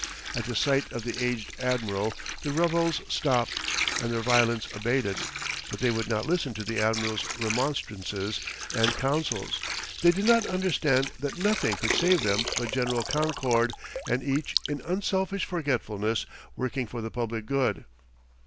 At the sight of the aged admiral, the rebels stopped, and their violence abated; but they would not listen to the admiral's remonstrances and counsels; they did not understand that nothing could save them but general concord, and each, in unselfish forgetfulness, working for the public good.